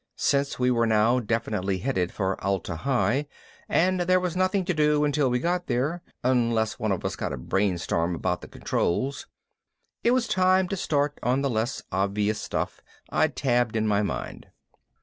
Since we were now definitely headed for Atla Hi and there was nothing to do until we got there, unless one of us got a brainstorm about the controls, it was time to start on the less obvious stuff I'd tabled in my mind.